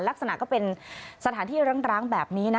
ลักษณะก็เป็นสถานที่ร้างแบบนี้นะ